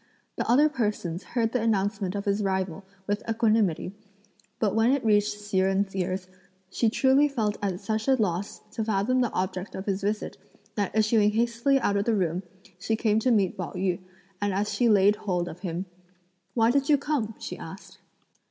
The other persons heard the announcement of his arrival, with equanimity, but when it reached Hsi Jen's ears, she truly felt at such a loss to fathom the object of his visit that issuing hastily out of the room, she came to meet Pao yü, and as she laid hold of him: "Why did you come?" she asked.